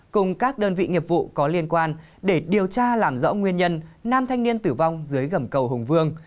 cùng các đơn vị nghiệp vụ có liên quan để điều tra làm rõ nguyên nhân nam thanh niên tử vong dưới gầm cầu hùng vương